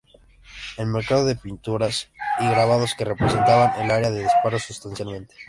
El mercado de pinturas y grabados que representaban el área se disparó sustancialmente.